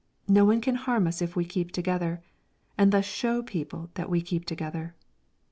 No one can harm us if we keep together, and thus show people that we keep together.